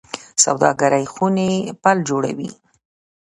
سوداګرۍ خونې پل جوړوي